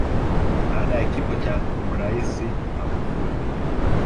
Baada ya kifo cha Mraisi Magufuli